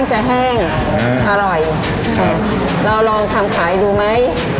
ค่อยจะแห้งอร่อยเราลองทำขายดูไหม